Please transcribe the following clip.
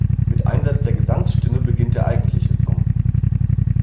Mit Einsatz der Gesangsstimme beginnt der eigentliche Song.